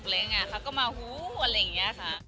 เลงหัวอะไรเงี้ย